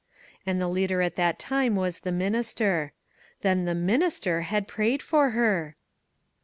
And the leader at that time was the minister; then the minister had prayed for her